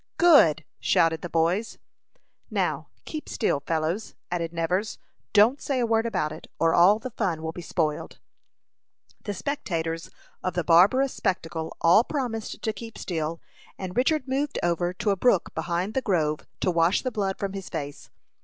"Good!" shouted the boys. "Now, keep still, fellows," added Nevers. "Don't say a word about it, or all the fun will be spoiled." The spectators of the barbarous spectacle all promised to keep still, and Richard moved over to a brook behind the grove to wash the blood from his face.